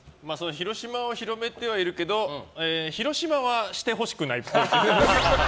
広島を広めてはいるけど広島はしてほしくないっぽい。